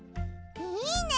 いいね！